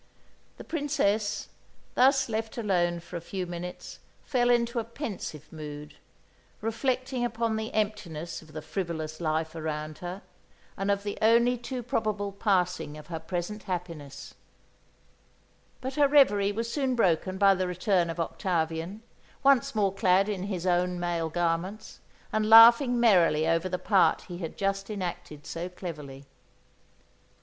The Princess, thus left alone for a few minutes, fell into a pensive mood, reflecting upon the emptiness of the frivolous life around her, and of the only too probable passing of her present happiness; but her reverie was soon broken by the return of Octavian, once more clad in his own male garments, and laughing merrily over the part he had just enacted so cleverly.